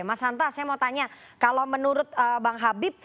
mas hanta saya mau tanya kalau menurut bang habib